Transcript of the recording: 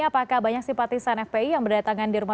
apakah banyak simpatisan fpi yang berdatangan di rumah